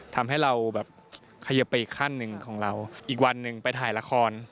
ทำให้เราแบบขยิบไปอีกขั้นหนึ่งของเราอีกวันหนึ่งไปถ่ายละคร